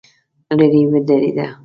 لرې ودرېده.